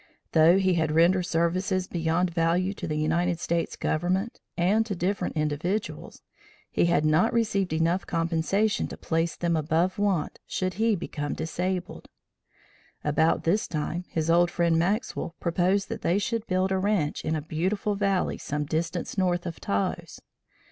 Though he had rendered services beyond value to the United States government, and to different individuals, he had not received enough compensation to place them above want should he become disabled. About this time, his old friend, Maxwell, proposed that they should build a ranch in a beautiful valley some distance north of Taos.